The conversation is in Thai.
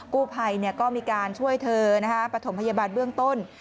กู้ภัยก็มีการช่วยเธอปฐมพยาบาลเบื้องต้น